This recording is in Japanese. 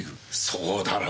そうだろ。